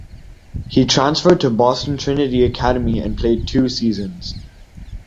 He transferred to Boston Trinity Academy and played two seasons.